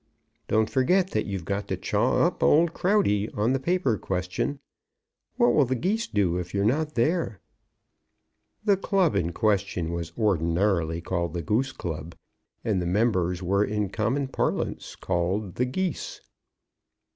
"Don't forget that you've got to chaw up old Crowdy on the paper question. What will the Geese do if you're not there?" The club in question was ordinarily called the Goose Club, and the members were in common parlance called "The Geese."